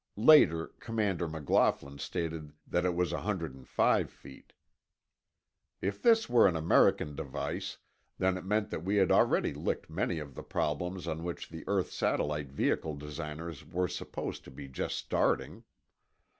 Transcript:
(Later, Commander McLaughlin stated that it was 105 feet.) If this were an American device, then it meant that we had already licked many of the problems on which the Earth Satellite Vehicle designers were supposed to be just starting.